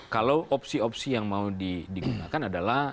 kalau opsi opsi yang mau digunakan adalah